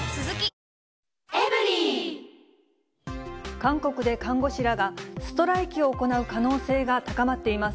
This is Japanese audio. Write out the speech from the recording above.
韓国で看護師らが、ストライキを行う可能性が高まっています。